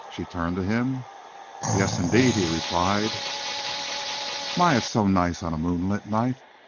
She turned to him. "Yes, indeed," he replied. "My, it's so nice on a moonlit night.